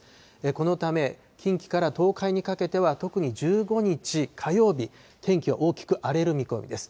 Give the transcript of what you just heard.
このため、近畿から東海にかけては、特に１５日火曜日、天気が多く荒れる見込みです。